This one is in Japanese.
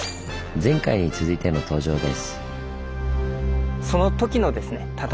前回に続いての登場です。